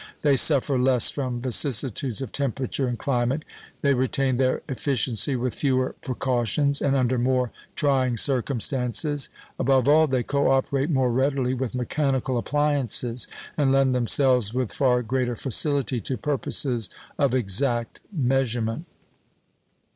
They suffer less from vicissitudes of temperature and climate. They retain their efficiency with fewer precautions and under more trying circumstances. Above all, they co operate more readily with mechanical appliances, and lend themselves with far greater facility to purposes of exact measurement.